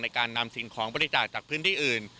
การนำสิ่งของบริจาคจากพื้นที่อื่น